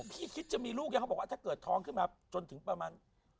คิดจะมีลูกยังเขาบอกว่าถ้าเกิดท้องขึ้นมาจนถึงประมาณ